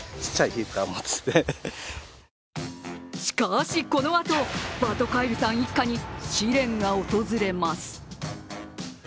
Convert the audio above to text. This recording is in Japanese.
しかし、このあと、バトカイルさん一家に試練が訪れます。